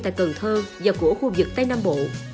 tại cần thơ và của khu vực tây nam bộ